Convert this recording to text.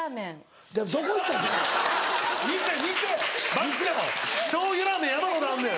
漠ちゃん醤油ラーメン山ほどあんねん。